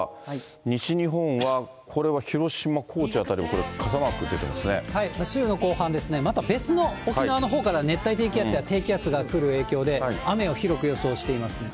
西日本はこれは広島、週の後半ですね、また別の沖縄のほうから熱帯低気圧や低気圧が来る影響で、雨を広く予想してますね。